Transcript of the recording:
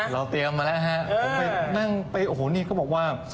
เราเตรียมมาแล้วฮะผมไปนั่งไปโอ้โหนี่เขาบอกว่า